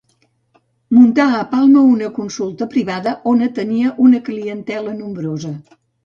Muntà a Palma una consulta privada, on atenia una clientela nombrosa.